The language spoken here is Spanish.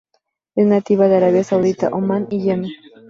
Es nativa de Arabia Saudita, Omán y Yemen.